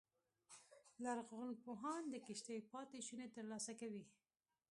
لرغونپوهان د کښتۍ پاتې شونې ترلاسه کوي